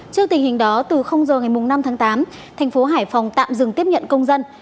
trước tình hình đó từ giờ ngày năm tháng tám thành phố hải phòng tạm dừng tiếp nhận công dân